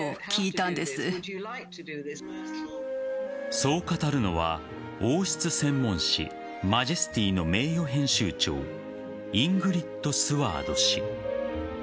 そう語るのは、王室専門誌「マジェスティ」の名誉編集長イングリッド・スワード氏。